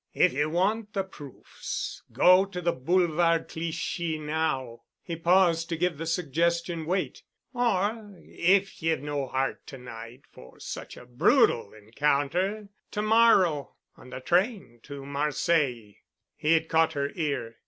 "If ye want the proofs——go to the Boulevard Clichy now." He paused to give the suggestion weight, "Or if ye've no heart to night for such a brutal encounter—to morrow—on the train to Marseilles." He had caught her ear.